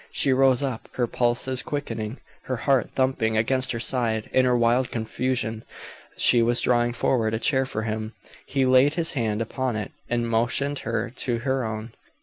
She rose up, her pulses quickening, her heart thumping against her side. In her wild confusion she was drawing forward a chair for him. He laid his hand upon it, and motioned her to her own.